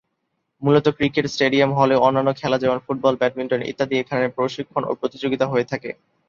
মূলত cricket stadium হলেও অন্যান্য খেলা যেমন ফুটবল ব্যাডমিন্টন ইত্যাদি এখানে প্রশিক্ষণ ও প্রতিযোগিতা হয়ে থাকে।